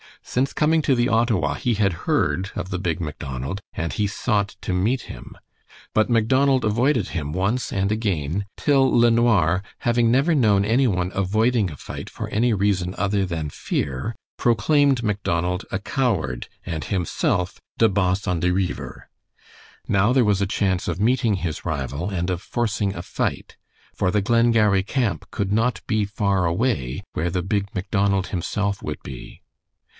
Since coming to the Ottawa he had heard of the big Macdonald, and he sought to meet him. But Macdonald avoided him once and again till LeNoir, having never known any one avoiding a fight for any reason other than fear, proclaimed Macdonald a coward, and himself "de boss on de reever." Now there was a chance of meeting his rival and of forcing a fight, for the Glengarry camp could not be far away where the big Macdonald himself would be.